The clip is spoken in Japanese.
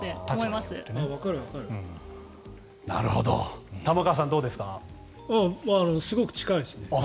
すごく近いですね。